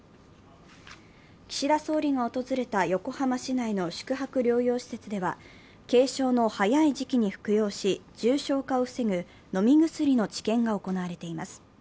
岸田総理が訪れた横浜市内の宿泊療養施設では軽症の早い時期に服用し重症化を防ぐ飲み薬の治験が行われています。